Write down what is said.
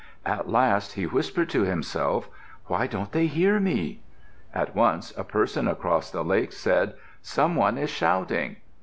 At last he whispered to himself, "Why don't they hear me?" At once a person across the lake said, "Some one is shouting."